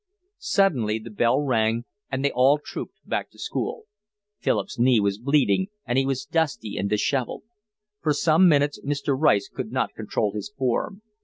Suddenly the bell rang, and they all trooped back to school. Philip's knee was bleeding, and he was dusty and dishevelled. For some minutes Mr. Rice could not control his form.